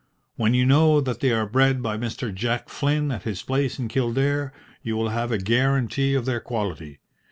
"When you know that they are bred by Mr. Jack Flynn, at his place in Kildare, you will have a guarantee of their quality.